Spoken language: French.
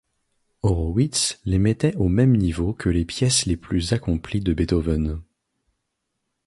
Horowitz les mettait au même niveau que les pièces les plus accomplies de Beethoven.